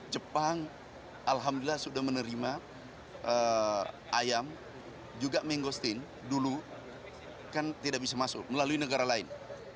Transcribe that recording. jepang alhamdulillah sudah menerima ayam juga menggostin dulu kan tidak bisa masuk melalui negara lain